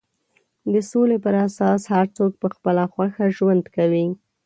د سولې پر اساس هر څوک په خپله خوښه ژوند کوي.